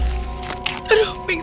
tante ranti bangun